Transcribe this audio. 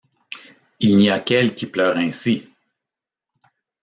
Il n'y a qu'elle qui pleure ainsi !